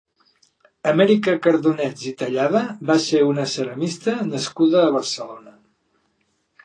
Amèrica Cardunets i Tallada va ser una ceramista nascuda a Barcelona.